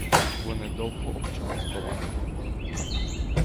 Вони довго об чомусь балакали.